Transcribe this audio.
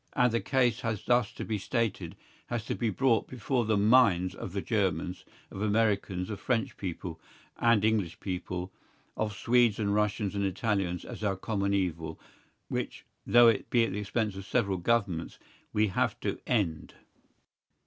And the case that has thus to be stated has to be brought before the minds of the Germans, of Americans, of French people, and English people, of Swedes and Russians and Italians as our common evil, which, though it be at the expense of several Governments, we have to end.